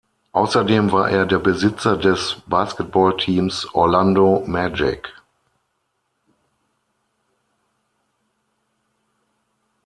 Außerdem war er der Besitzer des Basketballteams Orlando Magic.